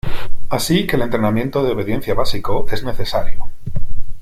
Así que el entrenamiento de obediencia básico es necesario.